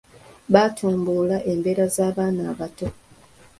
Batumbula embeera z’abaana abato.